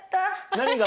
何が？